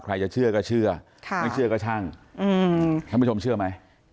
ใครจะเชื่อก็เชื่อไม่เชื่อก็ช่างท่านผู้ชมเชื่อไหม